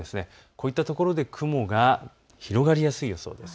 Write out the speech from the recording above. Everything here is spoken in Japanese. こういった所で雲が広がりやすい予想です。